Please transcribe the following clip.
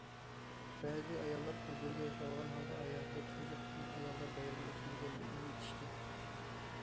بەزى ئاياللار كۆزلىرىگە ياش ئالغان ھالدا، ھاياتىدا تۇنجى قېتىم ئاياللار بايرىمى ئۆتكۈزگەنلىكىنى ئېيتىشتى.